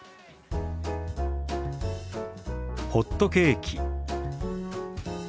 「ホットケーキ」。